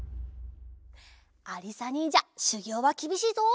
ありさにんじゃしゅぎょうはきびしいぞ。